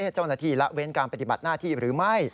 เจ้าหน้าที่ละเว้นการปฏิบัติหน้าที่หรือไม่